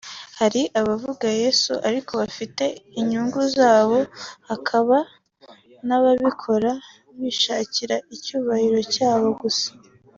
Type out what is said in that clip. Hari abavuga Yesu ariko bafite inyungu zabo hakaba n’ababikora bishakira icyubahiro cyabo gusa